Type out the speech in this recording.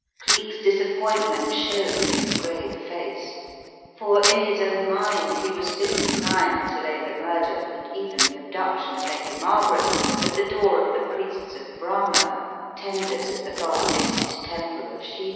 Cleek's disappointment showed in his grave face, for in his own mind he was still inclined to lay the murder and even the abduction of Lady Margaret, at the door of the priests of Brahma, tenders of the far distant Temple of Shiva.